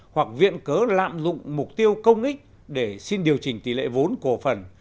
hoặc viện cớ lạm dụng mục tiêu công ích để xin điều chỉnh tỷ lệ vốn cổ phần